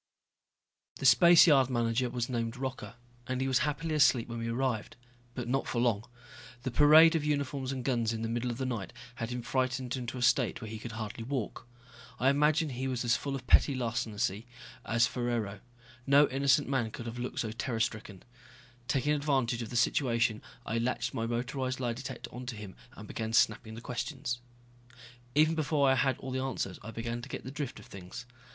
The spaceyard manager was named Rocca, and he was happily asleep when we arrived. But not for long. The parade of uniforms and guns in the middle of the night had him frightened into a state where he could hardly walk. I imagine he was as full of petty larceny as Ferraro. No innocent man could have looked so terror stricken. Taking advantage of the situation, I latched my motorized lie detector onto him and began snapping the questions. Even before I had all the answers I began to get the drift of things.